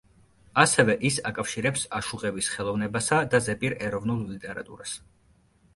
ასევე ის აკავშირებს აშუღების ხელოვნებასა და ზეპირ ეროვნულ ლიტერატურას.